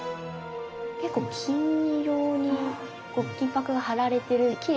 結構金色に金箔が貼られてるきれいな仏像さんですね。